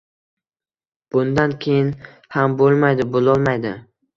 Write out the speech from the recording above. Bundan keyin ham boʻlmaydi, boʻlolmaydi.